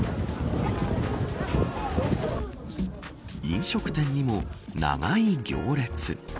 飲食店にも長い行列。